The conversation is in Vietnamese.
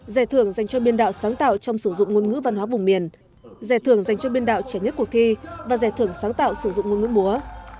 giải thưởng dành cho biên đạo sáng tạo trong sử dụng ngôn ngữ văn hóa vùng miền giải thưởng dành cho biên đạo trẻ nhất cuộc thi và giải thưởng sáng tạo sử dụng ngôn ngữ múa